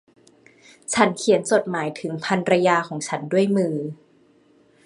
ฉันเขียนจดหมายถึงภรรยาของฉันด้วยมือ